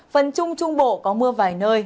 phần trung trung bộ có mưa vài nơi